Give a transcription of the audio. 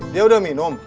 dia udah minum